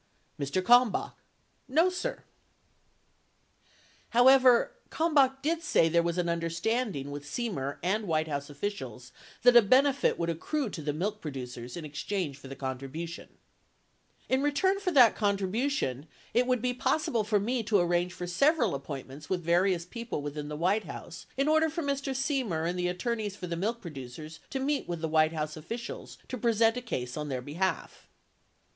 Mr. Kalmbach. No, sir. 77 However, Kalmbach did say there was an understanding with Semer and White House officials that a benefit would accrue to the milk pro ducers in exchange for the contribution : [I]n return for that contribution it would be possible for me to arrange for several appointments with various people within the "White House in order for Mr. Semer and the at torneys for the milk producers to meet with the White House officials to present a case on their behalf.